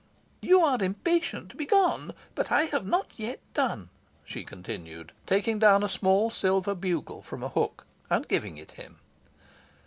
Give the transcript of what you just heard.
You are impatient to be gone, but I have not yet done," she continued, taking down a small silver bugle from a hook, and giving it him.